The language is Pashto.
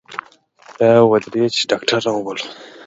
ته ودرې چې ډاکتر راوبولم.